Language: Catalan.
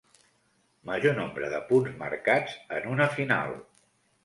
Major nombre de punts marcats en una final.